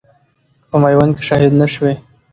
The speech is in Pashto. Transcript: که په ميوند کښي شهيد نه شوې